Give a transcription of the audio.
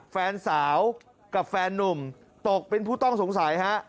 แฟนสาวกับแฟนนุ่มตกเป็นผู้ต้องสงสัยฮะ